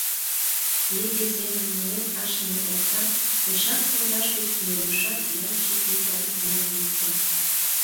Снеге семын нулен ашныме оксам мешак пундаш гыч нерӱпшан ялче пий гай муын луктын.